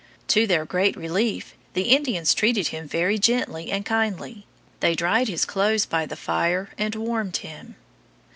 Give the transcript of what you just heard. To their great relief, the Indians treated him very gently and kindly; they dried his clothes by the fire and warmed him.